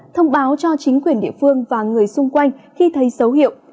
thông báo cho chính quyền địa phương và người xung quanh khi thấy dấu hiệu